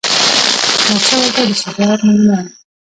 احمدشاه بابا د شجاعت نمونه وه..